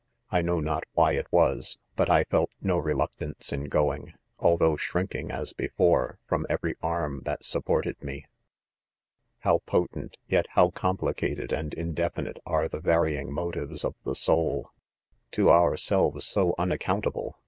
I"krioW;/iiOt wily it was, but I felt no reluctance in going, although shrinking as be fore, from every arm that supported me. ' ^'How potent, yet ho|w complicated L andjii~ definite, are the varying motives of the sour! ,: to ourseWs how unaccountable